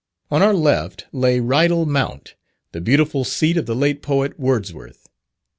On our left, lay Rydal Mount, the beautiful seat of the late poet Wordsworth.